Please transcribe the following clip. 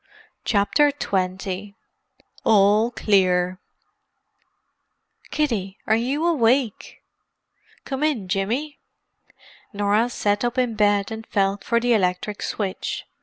CHAPTER XX ALL CLEAR "Kiddie, are you awake?" "Come in, Jimmy." Norah sat up in bed and felt for the electric switch.